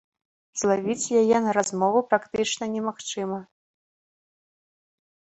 Злавіць яе на размову практычна немагчыма!